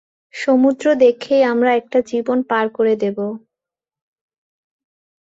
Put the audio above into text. সমুদ্র দেখেই আমরা একটা জীবন পার করে দেব।